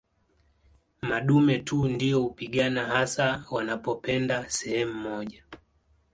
Madume tu ndio hupigana hasa wanapopenda sehemu moja